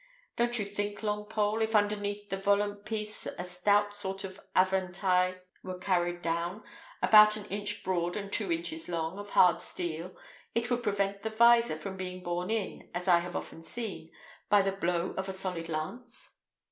Don't you think, Longpole, if underneath the volant piece a stout sort of avantaille were carried down, about an inch broad and two inches long, of hard steel, it would prevent the visor from being borne in, as I have often seen, by the blow of a solid lance?"